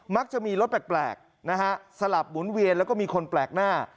มักจะมีรถแปลกนะฮะสลับหมุนเวียนแล้วก็มีคนแปลกหน้า